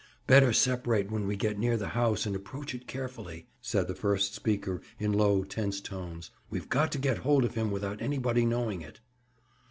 "Better separate when we get near the house and approach it carefully," said the first speaker in low tense tones. "We've got to get hold of him without anybody knowing it."